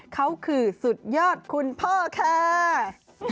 เขาคือสุดยอดคุณพ่อค่ะ